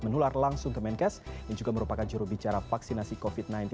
menular langsung ke menkes yang juga merupakan jurubicara vaksinasi covid sembilan belas